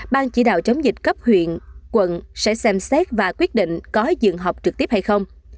ban chỉ đạo chống dịch cấp huyện quận sẽ xem xét và quyết định có dừng học trực tiếp hay không